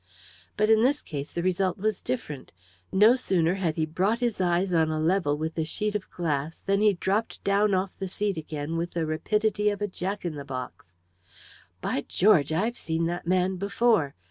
But in this case the result was different. No sooner had he brought his eyes on a level with the sheet of glass, than he dropped down off the seat again with the rapidity of a jack in the box. "By George! I've seen that man before!